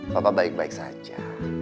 papa baik baik saja